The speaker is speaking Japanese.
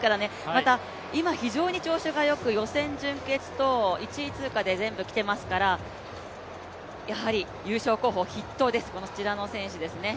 また今、非常に調子がよく予選、準決と１位通過で全部きていますから、やはり優勝候補筆頭です。